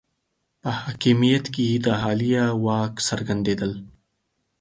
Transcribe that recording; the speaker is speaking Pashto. په حاکمیت کې د عالیه واک څرګندېدل